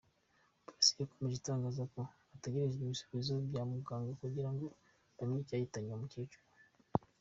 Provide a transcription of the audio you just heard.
Polisi yakomje itangaza ko hategerejwe ibisubizo bya muganga kugira ngo bamenye icyahitanye uwo mukecuru.